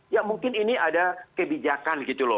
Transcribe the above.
ya mungkin ini ada kebijakan gitu loh